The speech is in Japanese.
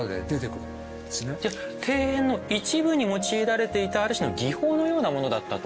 じゃあ庭園の一部に用いられていたある種の技法のようなものだったと。